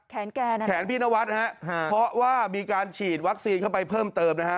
แขนแกน่ะแขนพี่นวัตต์นะฮะพอว่ามีการฉีดวัคซีนเข้าไปเพิ่มเติมนะฮะ